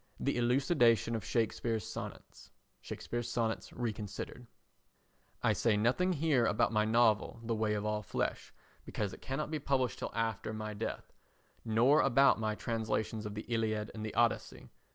The elucidation of Shakespeare's Sonnets. [Shakespeare's Sonnets Reconsidered.] I say nothing here about my novel [The Way of All Flesh] because it cannot be published till after my death; nor about my translations of the Iliad and the Odyssey.